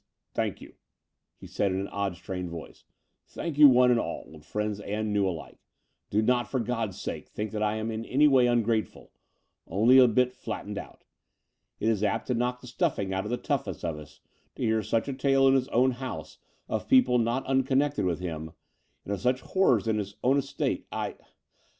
Thank you," he said in an odd, strained voice, thank you one and all, old friends and new alike. Do not, for God's sake, think that I am in any way tmgrateful — only a bit flattened out. It is apt to knock the stuffing out of the toughest of us to hear such a tale in his own house of people not un connected with him, and of such horrors on his own little estate. I